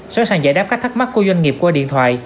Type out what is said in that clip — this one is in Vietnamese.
sẵn sàng giải đáp các thắc mắc của doanh nghiệp qua điện thoại